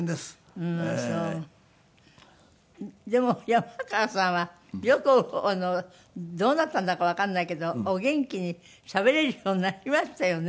でも山川さんはよくどうなったんだかわかんないけどお元気にしゃべれるようになりましたよね。